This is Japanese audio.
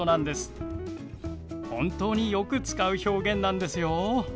本当によく使う表現なんですよ。